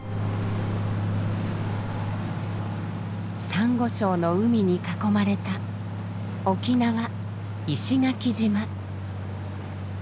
サンゴ礁の海に囲まれた沖縄・石垣島。